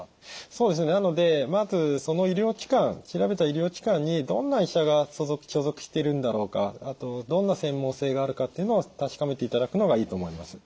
そうですねなのでまずその調べた医療機関にどんな医者が所属しているんだろうかあとどんな専門性があるかっていうのを確かめていただくのがいいと思います。